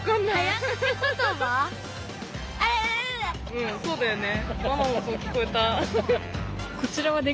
うんそうだよね。